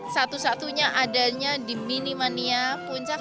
satu satunya adanya di mini mania puncak